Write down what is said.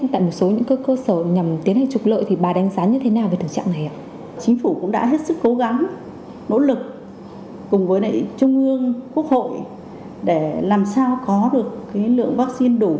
làm sao có được cái lượng vaccine đủ